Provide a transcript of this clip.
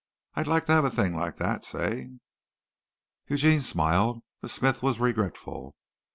I'd like to have a ting like dat, say!" Eugene smiled. The smith was regretful.